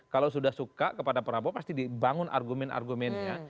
kalau sudah suka kepada prabowo pasti dibangun argumen argumennya